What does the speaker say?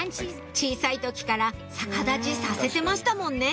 小さい時から逆立ちさせてましたもんね